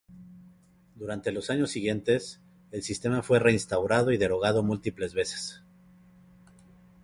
Durante los años siguientes, el sistema fue reinstaurado y derogado múltiples veces.